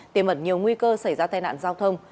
để mật nhiều nguy cơ xảy ra tai nạn giao thông